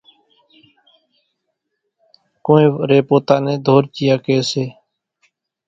ڪونئين وريَ پوتا نين ڌورچِيئا ڪي سي۔